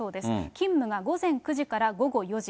勤務が午前９時から午後４時。